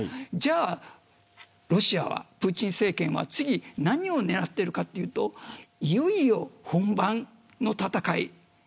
じゃあロシアはプーチン政権は、次に何を狙っているかというといよいよ本番の戦い。